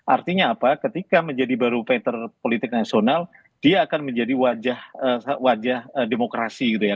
artinya apa ketika menjadi barometer politik nasional dia akan menjadi wajah demokrasi gitu ya